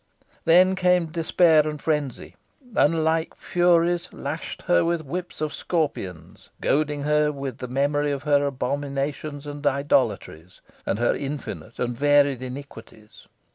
Then came despair and frenzy, and, like furies, lashed her with whips of scorpions, goading her with the memory of her abominations and idolatries, and her infinite and varied iniquities.